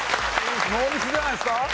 ノーミスじゃないですか？